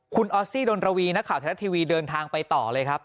คุณออสซี่ดนรวีนักข่าวไทยรัฐทีวีเดินทางไปต่อเลยครับ